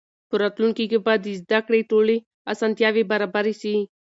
په راتلونکي کې به د زده کړې ټولې اسانتیاوې برابرې سي.